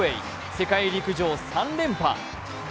世界陸上３連覇。